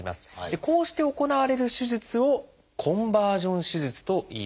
こうして行われる手術を「コンバージョン手術」といいます。